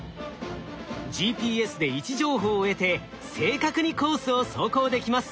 ＧＰＳで位置情報を得て正確にコースを走行できます。